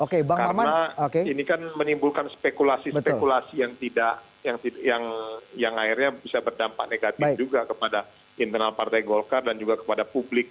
karena ini kan menimbulkan spekulasi spekulasi yang tidak yang akhirnya bisa berdampak negatif juga kepada internal partai golkar dan juga kepada publik